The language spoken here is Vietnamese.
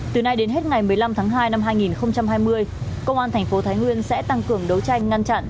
từ nay đến hết ngày một mươi năm tháng hai năm hai nghìn hai mươi công an thành phố thái nguyên sẽ tăng cường đấu tranh ngăn chặn